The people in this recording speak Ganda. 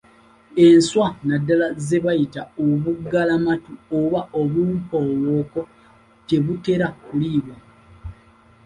Enswa naddala ze bayita obuggalamatu oba obumpowooko tebutera kuliibwa.